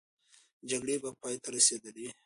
جګړه به پای ته رسېدلې وي.